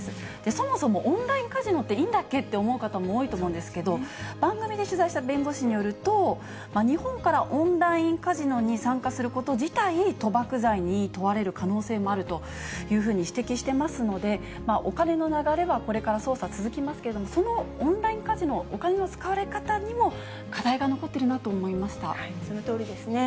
そもそもオンラインカジノっていいんだっけ？と思う方も多いと思うんですけど、番組で取材した弁護士によると、日本からオンラインカジノに参加すること自体、賭博罪に問われる可能性もあるというふうに指摘してますので、お金の流れはこれから捜査続きますけれども、そのオンラインカジノ、お金の使われ方にも、そのとおりですね。